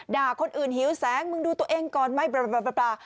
ด่าคนอื่นหิวแสงมึงดูตัวเองก่อนไหมปลา